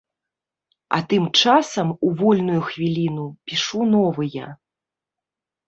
А тым часам у вольную хвіліну пішу новыя.